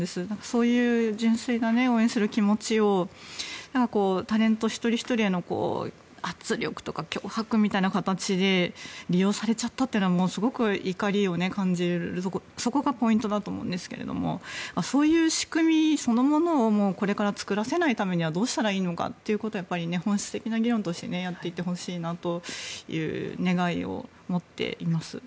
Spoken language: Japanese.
そういう純粋な応援する気持ちをタレントと一人ひとりへの圧力とか脅迫みたいな形で利用されちゃったのはもうすごく怒りを感じるそこがポイントだと思うんですけどもそういう仕組みそのものをこれから作らせないためにはどうしたらいいのかということを本質的な議論としてやっていってほしいなという願いを持っています。